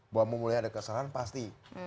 bahwa memulai ada kesalahan pasti